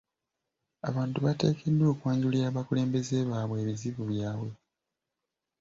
Abantu bateekeddwa okwanjulira abakulembeze baabwe ebizibu byabwe.